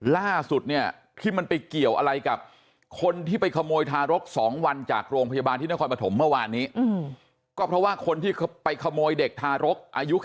ล่าสุดสิมันไปเกี่ยวอะไรกับคนที่ไปขโมยทารก